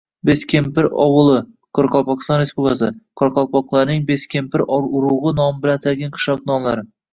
Beskempir ovuli – Qoraqalpog‘iston Respublikasi. Qaraqalpaqlarning beskempir urug‘i nomi bilan atalgan qishloq nomlari.